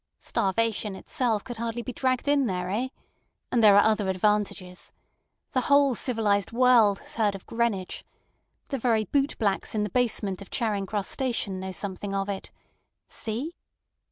Starvation itself could hardly be dragged in there—eh? And there are other advantages. The whole civilised world has heard of Greenwich. The very boot blacks in the basement of Charing Cross Station know something of it. See?"